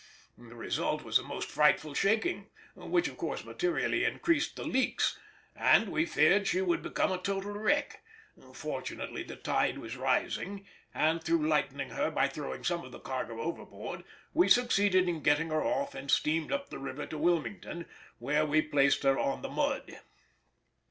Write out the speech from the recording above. The result was a most frightful shaking, which of course materially increased the leaks, and we feared she would become a total wreck; fortunately the tide was rising, and, through lightening her by throwing some of the cargo overboard, we succeeded in getting her off and steamed up the river to Wilmington, where we placed her on the mud.